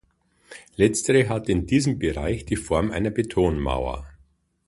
Letztere hat in diesem Bereich die Form einer Betonmauer.